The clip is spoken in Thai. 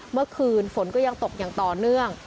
เมื่อคืนฝนก็ยังตกอย่างต่อเนื่อง